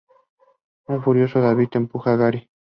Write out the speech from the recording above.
Un furioso David empuja a Gary.